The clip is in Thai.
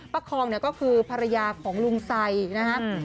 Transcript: ป๊าคองก็คือภรรยาของลุงไซค์นะครับ